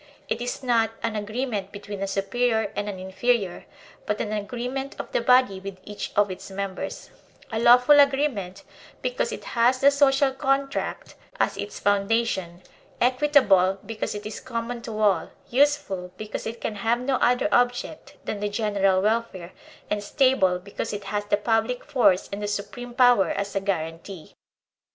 It is not an agreement between a superior and an inferior, but an agreement of the body with each of its members; a lawful agreement, because it has the social contract as 28 THE SOCIAL CONTRACT its foundation; equitable, because it is common to all; useful, because it can have no other object than the gen eral welfare; and stable, because it has the public force and the supreme power as a guarantee.